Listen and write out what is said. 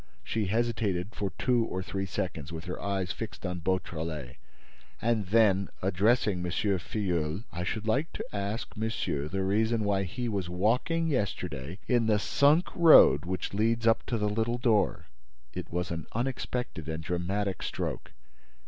She hesitated for two or three seconds, with her eyes fixed on Beautrelet, and then, addressing M. Filleul: "I should like you to ask monsieur the reason why he was walking yesterday in the sunk road which leads up to the little door." It was an unexpected and dramatic stroke.